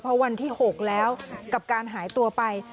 เพราะวันที่๖แล้วกับการหายตัวไป